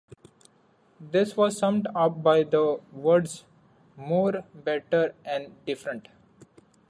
This was summed up by the words "more, better and different".